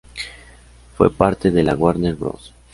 Fue parte de la "Warner Bros.